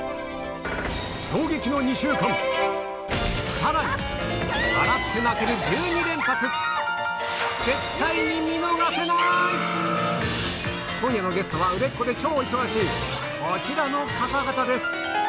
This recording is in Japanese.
さらに今夜のゲストは売れっ子で超忙しいこちらの方々です